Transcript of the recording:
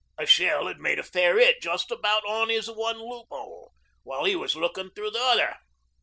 A shell had made a fair hit just about on 'is one loophole, while he was lookin' thro' the other.